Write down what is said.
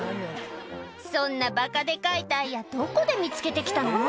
そんなバカデカいタイヤどこで見つけて来たの？